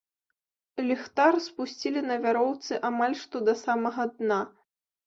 Ліхтар спусцілі на вяроўцы амаль што да самага дна.